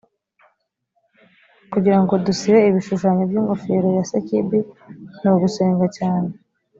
kugira ngo dusibe ibishushanyo by’ingofero ya sekibi ni ugusenga cyane